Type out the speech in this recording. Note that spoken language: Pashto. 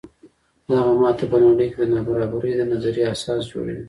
دغه ماته په نړۍ کې د نابرابرۍ د نظریې اساس جوړوي.